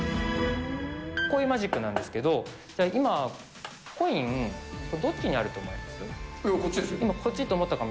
こういうマジックなんですけれども、今、コイン、どっちにあると思います？